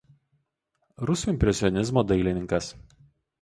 Rusų impresionizmo dailininkas.